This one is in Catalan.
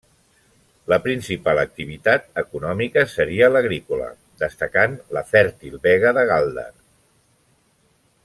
La principal activitat econòmica seria l'agrícola, destacant la fèrtil Vega de Gáldar.